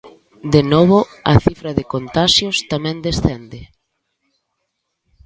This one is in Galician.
De novo, a cifra de contaxios tamén descende.